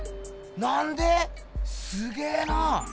なんで⁉すげえな！